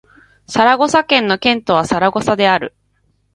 サラゴサ県の県都はサラゴサである